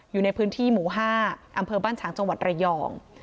อยู่ในพื้นที่หมู่๕อำเภอบ้านฉางจังหวัดระยอง